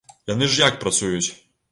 Яны ж як працуюць?